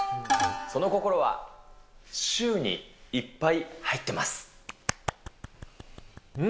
その心は、シューにいっぱい入ってます。